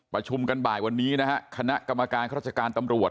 ประชุมกันบ่ายวันนี้นะฮะคณะกรรมการข้าราชการตำรวจ